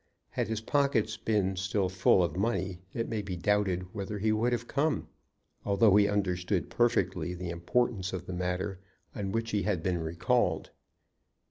Had his pocket been still full of money it may be doubted whether he would have come, although he understood perfectly the importance of the matter on which he had been recalled.